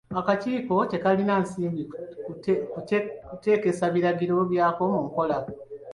Akakiiko tekalina nsimbi kuteekesa biragiro byako mu nkola.